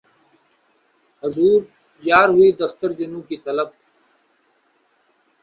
حضور یار ہوئی دفتر جنوں کی طلب